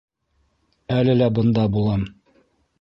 Әле лә бында булам.